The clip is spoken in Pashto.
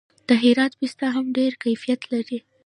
د هرات پسته هم ډیر کیفیت لري.